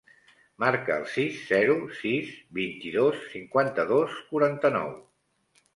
Marca el sis, zero, sis, vint-i-dos, cinquanta-dos, quaranta-nou.